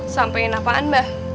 sampaikan apaan mbah